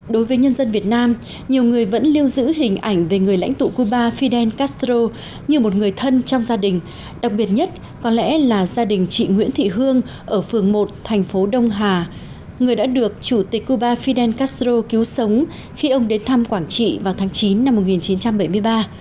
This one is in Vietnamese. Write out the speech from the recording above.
đối với nhân dân việt nam nhiều người vẫn lưu giữ hình ảnh về người lãnh tụ cuba fidel castro như một người thân trong gia đình đặc biệt nhất có lẽ là gia đình chị nguyễn thị hương ở phường một thành phố đông hà người đã được chủ tịch cuba fidel castro cứu sống khi ông đến thăm quảng trị vào tháng chín năm một nghìn chín trăm bảy mươi ba